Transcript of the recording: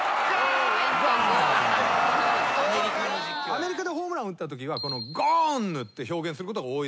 アメリカでホームラン打ったときはｇｏｎｅって表現することが多いらしいです。